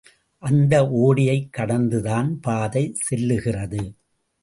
அந்த ஓடையைக் கடந்துதான் பாதை செல்லுகிறது.